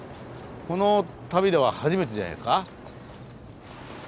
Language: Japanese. この旅では初めてじゃないですか。